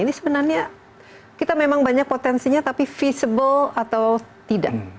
ini sebenarnya kita memang banyak potensinya tapi feasible atau tidak